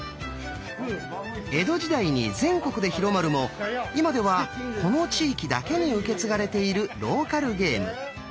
江戸時代に全国で広まるも今ではこの地域だけに受け継がれているローカルゲーム。